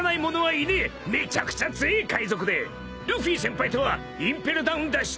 めちゃくちゃ強え海賊でルフィ先輩とはインペルダウン脱出